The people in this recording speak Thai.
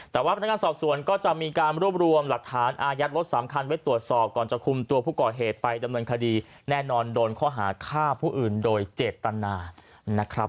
แต่ว่าพนักงานสอบสวนก็จะมีการรวบรวมหลักฐานอายัดรถสามคันไว้ตรวจสอบก่อนจะคุมตัวผู้ก่อเหตุไปดำเนินคดีแน่นอนโดนข้อหาฆ่าผู้อื่นโดยเจตนานะครับ